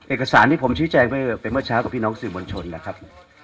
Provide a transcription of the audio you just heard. เอกสารที่ผมชี้แจงเมื่อเป็นเมื่อเช้ากับพี่น้องสื่อมวลชนแล้วครับ